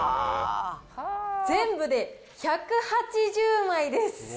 全部で１８０枚です。